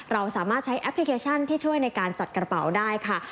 เราสามารถใช้แอปพลิเคชันที่ช่วยในการจัดกระเป๋าได้ค่ะ